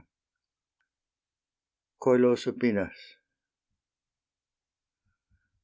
COELO SUPINAS.